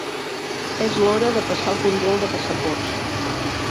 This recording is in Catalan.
És l'hora de passar el control de passaports.